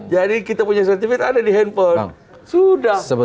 jadi kita punya sertifikat ada di handphone